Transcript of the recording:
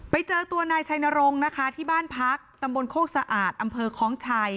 ไปเจอตัวนายชัยนรงค์นะคะที่บ้านพักตำบลโคกสะอาดอำเภอคล้องชัย